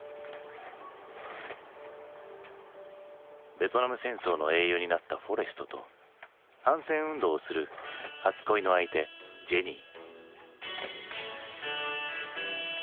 ベトナム戦争の英雄になったフォレストと反戦運動をする初恋の相手ジェニー。